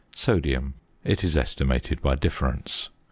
~Sodium.~ It is estimated by difference.